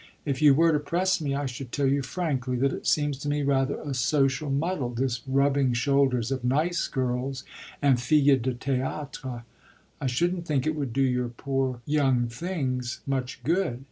If you were to press me I should tell you frankly that it seems to me rather a social muddle, this rubbing shoulders of 'nice girls' and filles de théâtre: I shouldn't think it would do your poor young things much good.